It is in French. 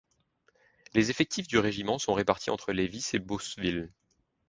Les effectifs du régiment sont répartis entre Lévis et Beauceville.